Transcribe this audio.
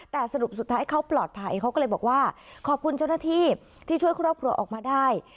แต่สรุปสุดท้ายเขาปลอดภัยเขาก็เลยบอกว่าขอบคุณเจ้าหน้าที่ที่ช่วยครอบครัวออกมาได้